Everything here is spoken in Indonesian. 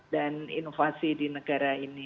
inovasi di negara ini